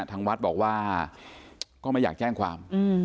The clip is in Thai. ทางวัดบอกว่าก็ไม่อยากแจ้งความ